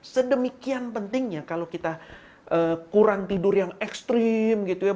sedemikian pentingnya kalau kita kurang tidur yang ekstrim gitu ya